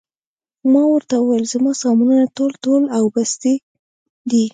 ما ورته وویل: زما سامانونه ټول، ټول او بستې دي.